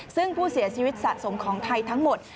ซึ่งผู้เสียชีวิตสะสมของไทยทั้งหมด